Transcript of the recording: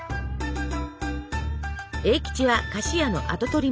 栄吉は菓子屋の跡取り息子。